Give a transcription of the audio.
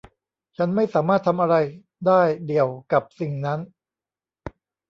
ฉันไม่สามารถทำอะไรได้เดี่ยวกับสิ่งนั้น